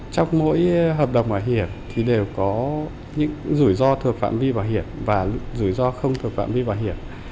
trong mỗi hợp đồng bảo hiểm thì đều có những rủi ro thuộc phạm vi bảo hiểm và rủi ro không tội phạm vi bảo hiểm